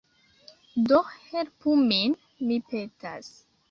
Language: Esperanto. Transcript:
Do helpu min, mi petas.